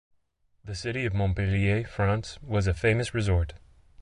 The city of Montpellier, France was a famous resort.